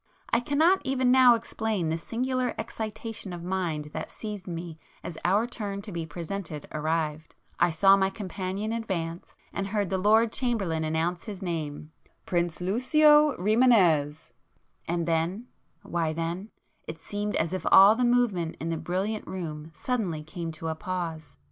I cannot even now explain the singular excitation of mind that seized me as our turn to be presented arrived;—I saw my companion advance, and heard the Lord Chamberlain announce his name;—'Prince Lucio Rimânez'; and then;—why then,—it seemed as if all the movement in the brilliant room suddenly came to a pause!